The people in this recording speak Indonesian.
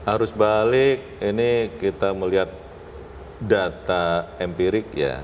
arus balik ini kita melihat data empirik ya